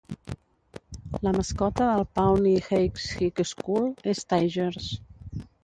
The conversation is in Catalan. La mascota del Pawnee Heights High School és Tigers.